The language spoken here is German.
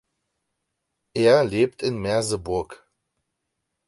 Er lebt in Merseburg.